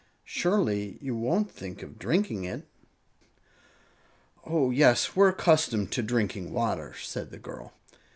Surely you won't think of drinking it!" "Oh, yes; we're accustomed to drinking water," said the girl.